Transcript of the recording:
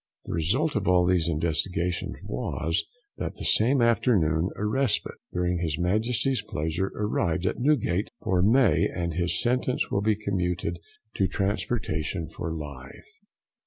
The result of all these investigations was that the same afternoon a respite during his Majesty's pleasure arrived at Newgate for May, and his sentence will be commuted to transportation for life.